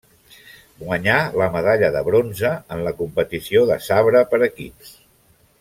Guanyà la medalla de bronze en la competició de sabre per equips.